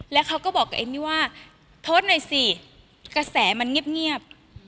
แล้วเขาก็บอกกับเอมมี่ว่าโพสต์หน่อยสิกระแสมันเงียบ